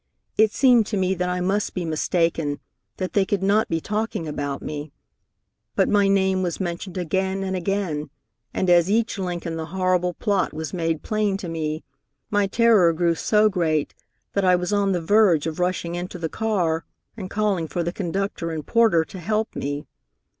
It seemed to me that I must be mistaken, that they could not be talking about me. But my name was mentioned again and again, and as each link in the horrible plot was made plain to me, my terror grew so great that I was on the verge of rushing into the car and calling for the conductor and porter to help me.